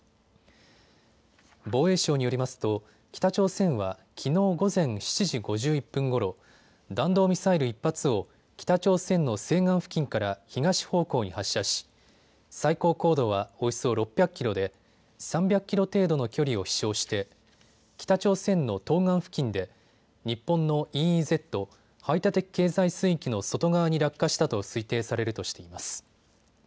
防衛省によりますと北朝鮮はきのう午前７時５１分ごろ弾道ミサイル１発を北朝鮮の西岸付近から東方向に発射し最高高度はおよそ６００キロで３００キロ程度の距離を飛しょうして北朝鮮の東岸付近で日本のＥＥＺ・排他的経済水域の外側に落下したと推定されるとしています。